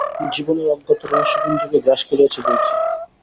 জীবনের অজ্ঞাত রহস্য বিন্দুকে গ্রাস করিয়াছে বৈকি।